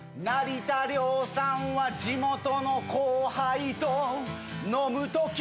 成田凌さんは地元の後輩と飲む時